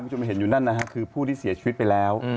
คุณผู้ชมเห็นอยู่นั่นนะฮะคือผู้ที่เสียชีวิตไปแล้ว